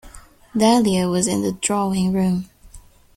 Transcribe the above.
Dahlia was in the drawing-room.